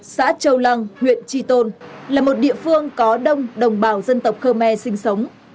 xã châu lăng huyện tri tôn là một địa phương có đông đồng bào dân tộc khmer sinh sống